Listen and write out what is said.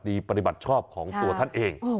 ปฏิบัติชอบของตัวท่านเอง